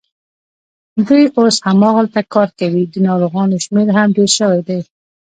دوی اوس هماغلته کار کوي، د ناروغانو شمېر هم ډېر شوی دی.